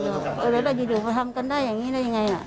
แล้วเราจะดูว่าทำกันได้อย่างนี้ได้ยังไง